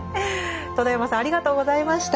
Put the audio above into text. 戸田山さんありがとうございました。